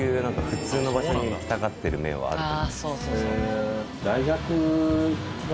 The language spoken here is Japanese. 普通の場所に行きたがってる面はあると思います。